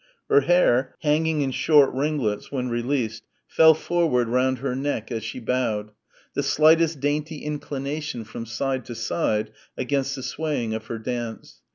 Her hair, hanging in short ringlets when released, fell forward round her neck as she bowed the slightest dainty inclination, from side to side against the swaying of her dance.